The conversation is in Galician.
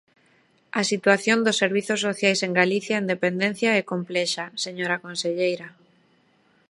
A situación dos servizos sociais en Galicia en dependencia é complexa, señora conselleira.